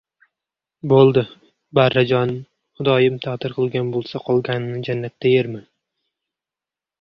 — Bo‘ldi, barrajonim, xudoyim taqdir qilgan bo‘lsa qolganini jannatda yerman.